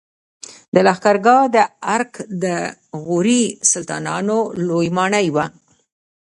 د لښکرګاه د ارک د غوري سلطانانو لوی ماڼۍ وه